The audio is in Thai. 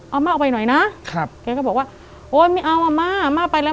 เอาม่าเอาไปหน่อยนะครับแกก็บอกว่าโอ๊ยไม่เอาอ่ะม่าม่าไปแล้ว